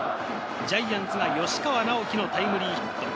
ジャイアンツが吉川尚輝のタイムリーヒット。